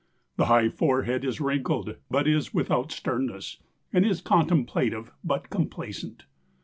The high forehead is wrinkled, but is without sternness, and is contemplative but complacent.